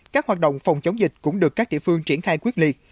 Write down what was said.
các hoạt động phòng chống dịch cũng được các địa phương triển khai quyết liệt